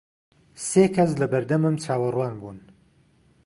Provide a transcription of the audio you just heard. سێ کەس لە بەردەمم چاوەڕوان بوون.